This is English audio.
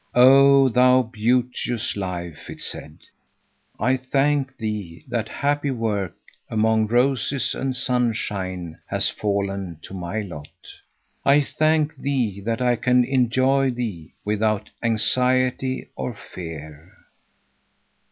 "Oh, thou beauteous life," it said. "I thank thee that happy work among roses and sunshine has fallen to my lot. I thank thee that I can enjoy thee without anxiety or fear.